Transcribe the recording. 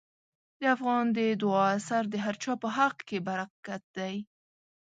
د افغان د دعا اثر د هر چا په حق کې برکت دی.